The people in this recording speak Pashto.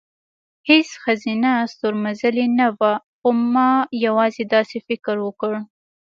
هېڅ ښځینه ستورمزلې نه وه، خو ما یوازې داسې فکر وکړ،